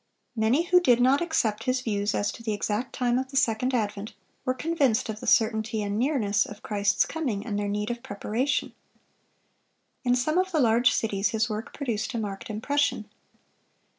Many who did not accept his views as to the exact time of the second advent, were convinced of the certainty and nearness of Christ's coming and their need of preparation. In some of the large cities his work produced a marked impression.